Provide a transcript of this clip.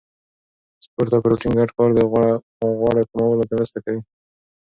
سپورت او پروتین ګډ کار د غوړو کمولو کې مرسته کوي.